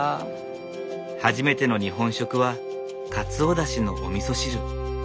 初めての日本食はかつおだしのおみそ汁。